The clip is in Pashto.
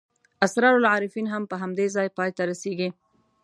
اسرار العارفین هم په همدې ځای پای ته رسېږي.